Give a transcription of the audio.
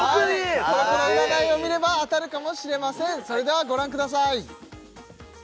コロコロ占いを見れば当たるかもしれませんそれではご覧ください